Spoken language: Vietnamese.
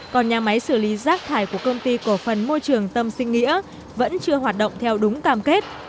còn nhà máy xử lý rác thải của công ty cổ phần môi trường tâm sinh nghĩa vẫn chưa hoạt động theo đúng cam kết